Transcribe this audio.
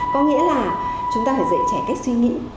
có nghĩa là chúng ta phải dạy trẻ cách suy nghĩ